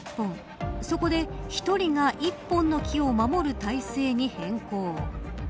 そこで１人が１本の木を守る態勢に変更。